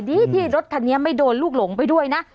ดีที่รถคันนี้ไม่โดนลูกหลงไปด้วยนะ